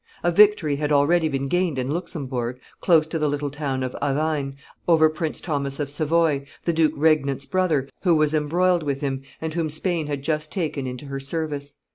A victory had already been gained in Luxembourg, close to the little town of Avein, over Prince Thomas of Savoy, the duke regnant's brother, who was embroiled with him, and whom Spain had just taken into her service.